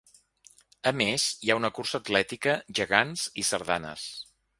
A més, hi ha una cursa atlètica, gegants i sardanes.